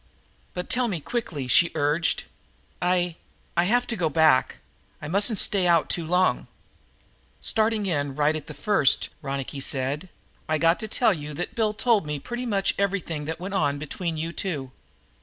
"But tell me quickly," she urged. "I I have to go back. I mustn't stay out too long." "Starting right in at the first," Ronicky said, "I got to tell you that Bill has told me pretty much everything that ever went on between you two.